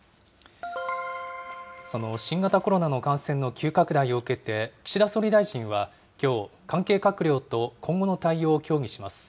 その新型コロナの感染の急拡大を受けて、岸田総理大臣はきょう、関係閣僚と今後の対応を協議します。